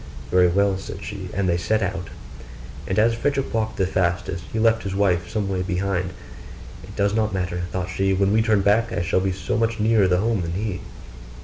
'Very well,' said she; and they set out: and as Frederick walked the fastest, he left his wife some way behind. 'It does not matter,' thought she: 'when we turn back, I shall be so much nearer home than he.